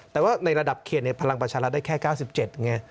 แต่ว่าในระดับเขตในพลังประชารัฐได้แค่๙๗ไง